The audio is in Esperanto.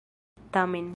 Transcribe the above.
Tamen.